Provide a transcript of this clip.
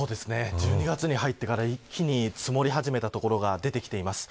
１２月に入ってから、一気に積もり始めた所が出ています。